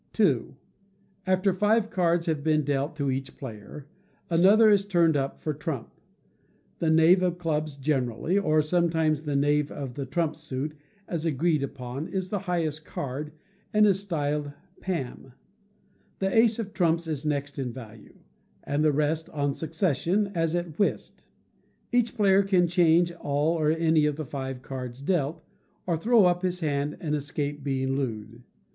ii. After five cards have been dealt to each player, another is turned up for trump; the knave of clubs generally, or sometimes the knave of the trump suit, as agreed upon, is the highest card, and is styled Pam; the ace of trumps is next in value, and the rest on succession, as at Whist. Each player can change all or any of the five cards dealt, or throw up his hand, and escape being looed.